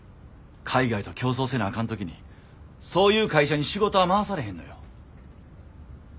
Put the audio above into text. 海外と競争せなあかん時にそういう会社に仕事は回されへんのよ。